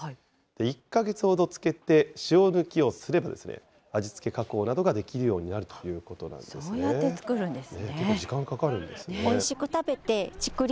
１か月ほど漬けて、塩抜きをすれば、味付け加工などができるようそうやって作るんですね。